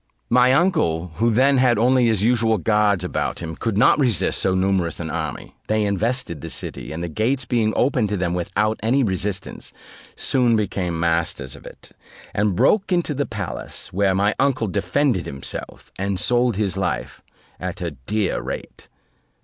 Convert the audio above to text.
My uncle, who then had only his usual guards about him, could not resist so numerous an enemy; they invested the city, and the gates being opened to them without any resistance, soon became masters of it, and broke into the palace where my uncle defended himself, and sold his life at a dear rate.